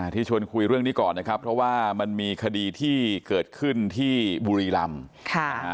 ชวนคุยเรื่องนี้ก่อนนะครับเพราะว่ามันมีคดีที่เกิดขึ้นที่บุรีรำ